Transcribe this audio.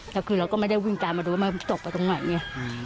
แล้วคือเราก็ไม่ได้วิ่งกลางมาดูว่ามันตกไปตรงไหนเนี้ยอืม